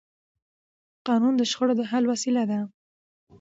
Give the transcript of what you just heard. قانون د شخړو د حل وسیله ده